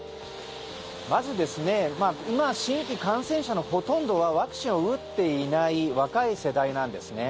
まず、今新規感染者のほとんどはワクチンを打っていない若い世代なんですね。